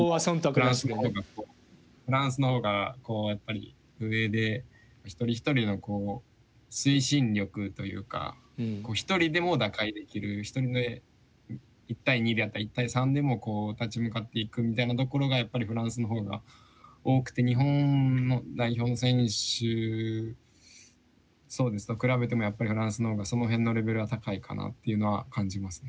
フランスのほうがフランスのほうがやっぱり上で一人一人の推進力というか一人でも打開できるそれで１対２であったり１対３でも立ち向かっていくみたいなところがやっぱりフランスのほうが多くて日本の代表選手と比べてもやっぱりフランスのほうがその辺のレベルは高いかなっていうのは感じますね。